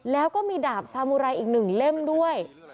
แล้วก็มีดาบสามุไรอีก๑เล่มด้วย